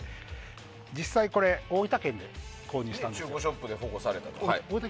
実際、大分県で購入したんです。